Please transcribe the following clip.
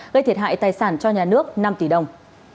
gây thiệt hại tài sản cho nhà nước năm tỷ đồng